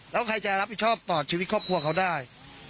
แล้วใครจะรับผิดชอบต่อชีวิตครอบครัวเขาได้